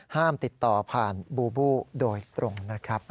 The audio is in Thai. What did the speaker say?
ห้ามติดต่อผ่านบูบูโดยตรงนะครับ